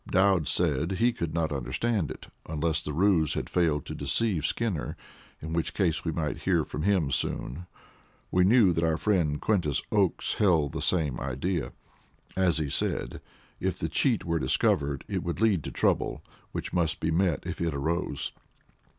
Dowd said he could not understand it, unless the ruse had failed to deceive Skinner, in which case we might hear from him soon. We knew that our friend Quintus Oakes held the same idea. As he said, if the cheat were discovered it would lead to trouble, which must be met as it arose.